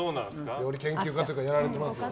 料理研究家とかやられていますよね。